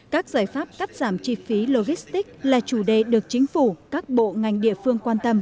các giải pháp cắt giảm chi phí logistics là chủ đề được chính phủ các bộ ngành địa phương quan tâm